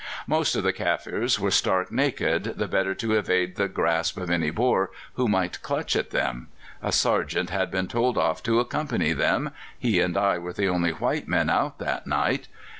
"Most of the Kaffirs were stark naked, the better to evade the grasp of any Boer who might clutch at them. A sergeant had been told off to accompany them; he and I were the only white men out that night.